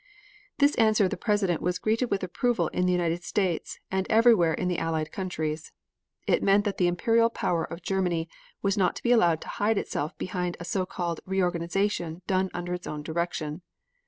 This answer of the President was greeted with approval in the United States and everywhere in the Allied countries. It meant that the Imperial Power of Germany was not to be allowed to hide itself behind a so called reorganization done under its own direction.